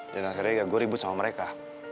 dan akhirnya gua ribut sama mereka